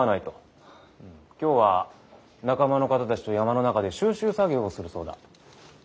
今日は仲間の方たちと山の中で収集作業をするそうだ。